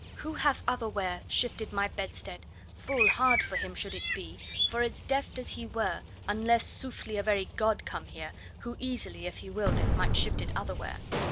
Who hath otherwhere shifted my bedstead? full hard for him should it be, For as deft as he were, unless soothly a very God come here, Who easily, if he willed it, might shift it otherwhere.